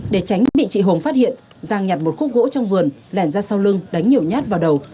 để tránh bị chị hùng phát hiện giang nhặt một khúc gỗ trong vườn lẻn ra sau lưng đánh nhiều nhát vào đầu